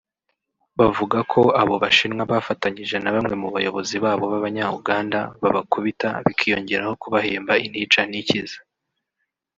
bavuga ko abo bashinwa bafatanyije na bamwe mu bayobozi babo b’abanya-Uganda babakubita bikiyongeraho kubahemba intica ntikize